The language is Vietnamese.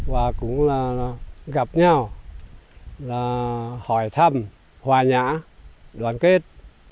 và cũng là gặp nhau là hỏi thăm hòa nhã đoàn kết